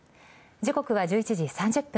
時刻は１１時３０分。